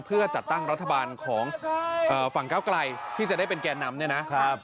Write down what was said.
เพื่อจัดตั้งรัฐบาลของฝั่งก้าวไกลที่จะได้เป็นแก่นำเนี่ยนะครับ